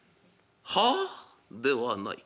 「『はあ』ではない。